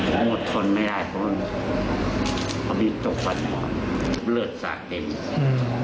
ผมอดทนไม่ได้เพราะว่าพอมีตกฝันเลือดสระเย็น